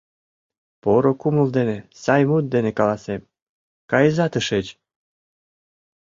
Поро кумыл дене, сай мут дене каласем: кайыза тышеч!